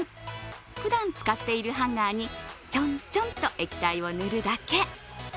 ふだん使っているハンガーにちょんちょんと液体を塗るだけ。